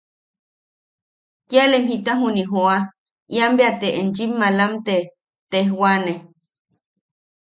–Kiaalem jita juni jooa ian bea te enchim malam te tejwane.